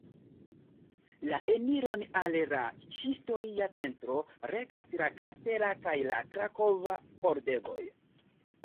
La eniron al la historia centro regas la Kastela kaj la Krakova Pordegoj.